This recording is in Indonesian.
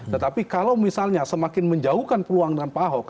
tetapi kalau misalnya semakin menjauhkan peluang dengan pak ahok